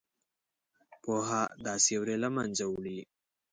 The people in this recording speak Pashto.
پوهه دا سیوری له منځه وړي.